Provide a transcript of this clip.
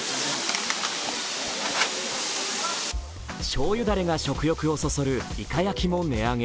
しょうゆだれが食欲をそそるいか焼きも値上げ。